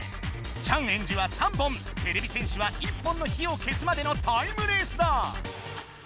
チャンエンジは３本てれび戦士は１本の火を消すまでのタイムレースだ！